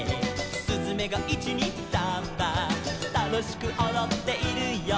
「すずめが１・２・サンバ」「楽しくおどっているよ」